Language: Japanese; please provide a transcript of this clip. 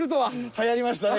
流行りましたね